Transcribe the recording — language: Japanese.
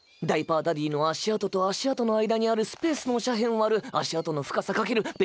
ダイパー・ダディーの足跡と足跡の間にあるスペースの斜辺割る足跡の深さかける